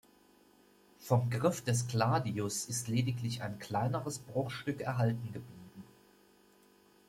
Vom Griff des Gladius ist lediglich ein kleineres Bruchstück erhalten geblieben.